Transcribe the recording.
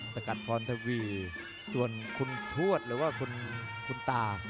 สกัดพรทวีส่วนคุณทวดหรือว่าคุณตา